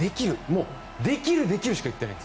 もうできる、できるしか言っていない。